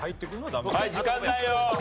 はい時間ないよ。